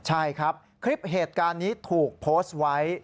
ใช่ครับคลิปเหตุการณ์นี้ถูกโพสต์ไว้